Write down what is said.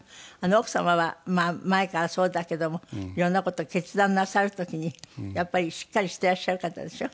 奥様は前からそうだけどもいろんな事を決断なさる時にやっぱりしっかりしていらっしゃる方でしょ？